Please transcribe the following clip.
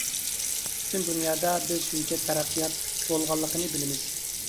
پۈتۈن دۇنيادا بىز شۇنچە تەرەققىيات بولغانلىقىنى بىلىمىز.